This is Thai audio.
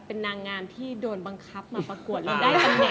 เป็นนางงามที่โดนบังคับมาปรากฏแล้วนี่